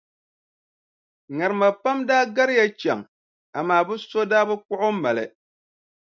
Ŋarima pam daa gariya chaŋ amaa bɛ so daa bi kpuɣi o mali.